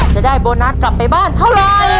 จะได้โบนัสกลับไปบ้านเท่าไร